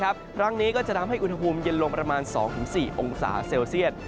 ครั้งนี้ก็จะทำให้อุณหภูมิเย็นลงประมาณ๒๔องศาเซลเซียต